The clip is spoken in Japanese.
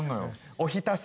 おひたす？